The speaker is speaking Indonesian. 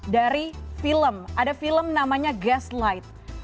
dari film ada film namanya gaslight